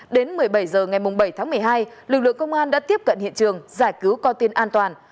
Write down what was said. đến một mươi bảy h ngày bảy tháng một mươi hai lực lượng công an đã tiếp cận hiện trường giải cứu con tin an toàn